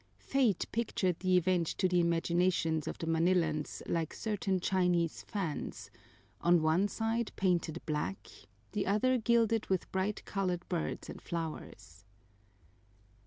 Fate pictured the event to the imaginations of the Manilans like certain Chinese fans one side painted black, the other gilded with bright colored birds and flowers.